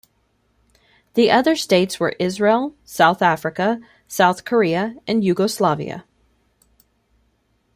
The other states were Israel, South Africa, South Korea, and Yugoslavia.